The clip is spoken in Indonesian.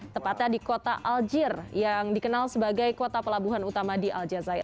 tepatnya di kota aljir yang dikenal sebagai kota pelabuhan utama di al jazair